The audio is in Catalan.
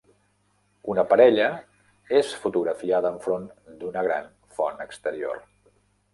Una parella és fotografiada enfront d'una gran font exterior.